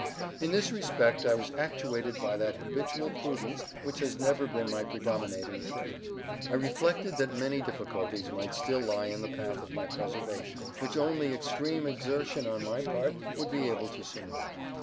In this respect I was actuated by that habitual prudence which has ever been my predominating trait. I reflected that many difficulties might still lie in the path of my preservation which only extreme exertion on my part would be able to surmount.